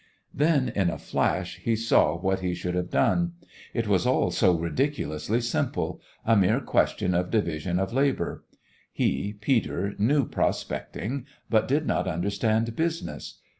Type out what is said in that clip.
Then in a flash he saw what he should have done. It was all so ridiculously simple a mere question of division of labour. He, Peter, knew prospecting, but did not understand business.